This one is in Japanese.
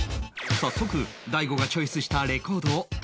早速大悟がチョイスしたレコードを試し聴き